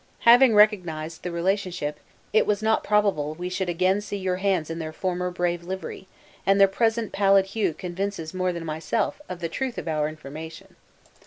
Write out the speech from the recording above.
Having recognized the relationship, it was not probable we should again see your hands in their former brave livery; and their present pallid hue convinces more than myself, of the truth of our information."